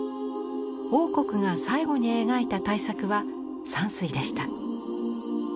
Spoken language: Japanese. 櫻谷が最後に描いた大作は山水でした。